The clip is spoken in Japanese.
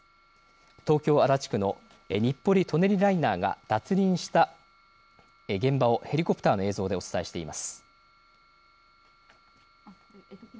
東京足立区の日暮里・舎人ライナーが脱輪した現場をヘリコプターの映像でお伝えしています。